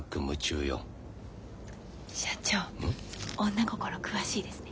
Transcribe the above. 女心詳しいですね。